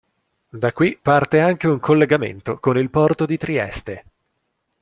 Da qui parte anche un collegamento con il porto di Trieste.